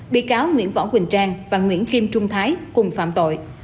bị cáo nguyễn võ quỳnh trang và nguyễn kim trung thái cùng phạm tội